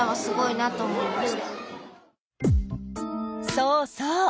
そうそう。